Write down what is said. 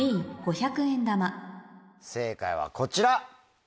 正解はこちら。